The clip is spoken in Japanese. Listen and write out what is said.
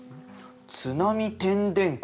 津波てんでんこ？